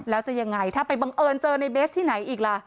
แล้วจะยังไงถ้าไปบังเอิญเจอในเบสที่ไหนอีกล่ะ